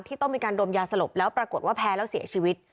ที่ต้องมีการดมยาสลบแล้วแพ้แล้วเสียชีวิต